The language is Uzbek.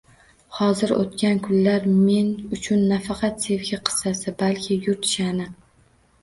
Hozir “O‘tkan kunlar” men uchun nafaqat sevgi qissasi, balki yurt sha’ni